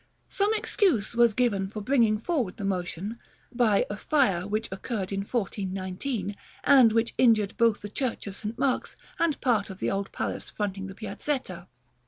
Some excuse was given him for bringing forward the motion, by a fire which occurred in 1419, and which injured both the church of St. Mark's, and part of the old palace fronting the Piazzetta.